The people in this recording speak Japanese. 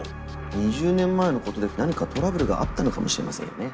２０年前のことで何かトラブルがあったのかもしれませんよね。